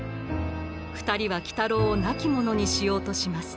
２人は鬼太郎を亡き者にしようとします。